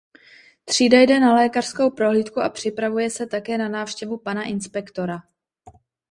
Třída jde na lékařskou prohlídku a připravuje se také na návštěvu pana inspektora.